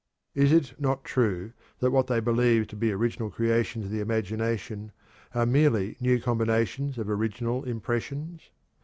Is it not true that what they believe to be original creations of the imagination are merely new combinations of original impressions?